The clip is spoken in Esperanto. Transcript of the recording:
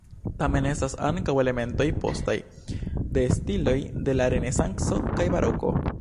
Tamen estas ankaŭ elementoj postaj, de stiloj de la renesanco kaj baroko.